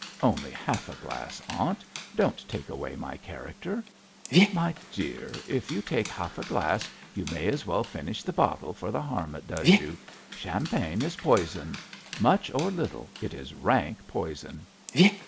'Only half a glass, aunt; don't take away my character!' 'My dear, if you take half a glass, you may as well finish the bottle for the harm it does you. Champagne is poison; much or little, it is rank poison.'